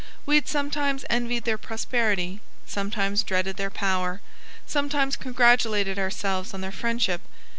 We had sometimes envied their prosperity, sometimes dreaded their power, sometimes congratulated ourselves on their friendship.